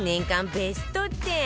ベスト１０